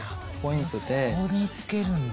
そこにつけるんだ。